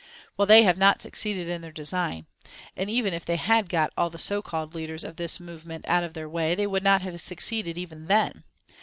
Well, they have not succeeded in their design, and even if they had got all the so called leaders of this movement out of their way they would not have succeeded even then.